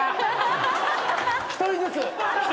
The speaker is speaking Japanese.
１人ずつ。